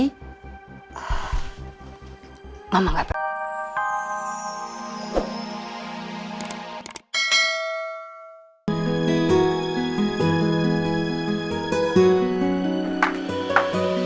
ah mama gak peduli